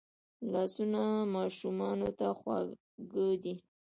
لاسونه ماشومانو ته خواږه دي